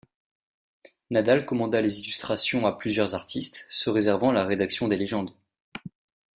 Nadal commanda les illustrations à plusieurs artistes, se réservant la rédaction des légendes.